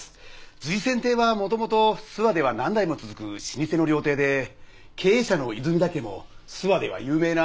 瑞泉亭は元々諏訪では何代も続く老舗の料亭で経営者の泉田家も諏訪では有名な旧家なんですよ。